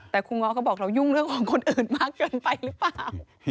แต่ครูง้อก็บอกเรายุ่งเรื่องของคนอื่นมากเกินไปหรือเปล่า